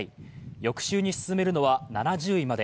翌週に進めるのは７０位まで。